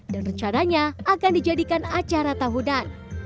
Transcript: dan rencananya akan dijadikan acara tahunan